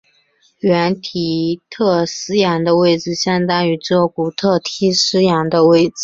原特提斯洋的位置相当于之后古特提斯洋的位置。